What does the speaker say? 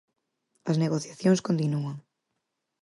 As negociacións continúan...